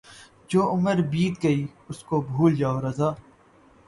جو عُمر بیت گئی اُس کو بھُول جاؤں رضاؔ